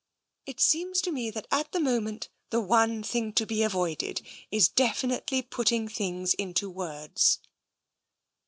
It seems to me that, at the moment, the one thing to be avoided is defi nitely putting things into words."